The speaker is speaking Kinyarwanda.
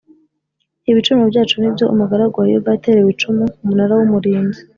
Ibicumuro byacu ni byo umugaragu wa Yehova yaterewe icumu Umunara w Umurinzi